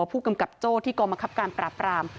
ผู้กำกับโจ้ที่กรมคับการปราบราม